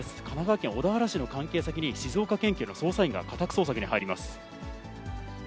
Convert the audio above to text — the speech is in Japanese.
神奈川県小田原市の関係先に、静岡県警の捜査員が家宅捜索に入ります。